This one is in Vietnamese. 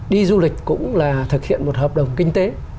đi du lịch cũng là thực hiện một hợp đồng kinh tế